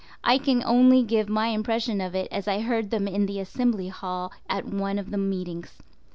I can only give my impression of it as I heard them in the Assembly Hall at one of the meetings.